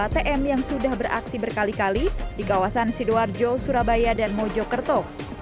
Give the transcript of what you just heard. tm yang sudah beraksi berkali kali di kawasan sidoarjo surabaya dan mojokerto